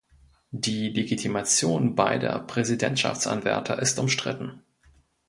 Die Legitimation beider Präsidentschaftsanwärter ist umstritten.